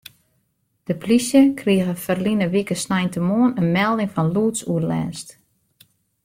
De plysje krige ferline wike sneintemoarn in melding fan lûdsoerlêst.